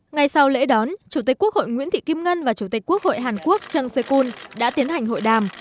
ngay sau lễ đón chủ tịch quốc hội nguyễn thị kim ngân và chủ tịch quốc hội hàn quốc trần siê kyun đã tiến hành hội đàm